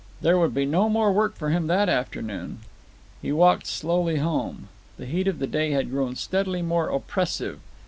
There would be no more work for him that afternoon. He walked slowly home. The heat of the day had grown steadily more oppressive.